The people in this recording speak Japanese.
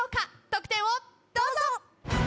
得点をどうぞ！